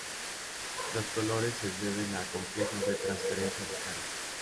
Los colores se deben a complejos de transferencia de carga.